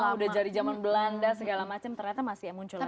wah udah dari zaman belanda segala macam ternyata masih muncul lagi